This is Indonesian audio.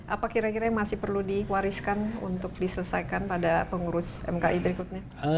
apa kira kira yang masih perlu diwariskan untuk diselesaikan pada pengurus mki berikutnya